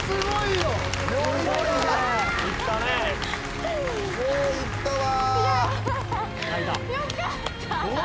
よういったわ。